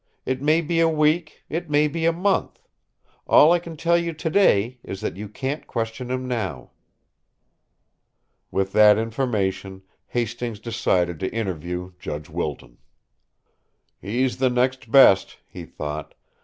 It may be a week; it may be a month. All I can tell you today is that you can't question him now." With that information, Hastings decided to interview Judge Wilton. "He's the next best," he thought.